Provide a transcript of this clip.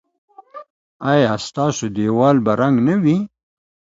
ایا ستاسو دیوال به رنګ نه وي؟